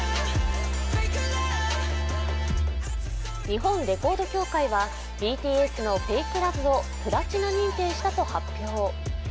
日本レコード協会はＢＴＳの「ＦＡＫＥＬＯＶＥ」をプラチナ認定したと発表。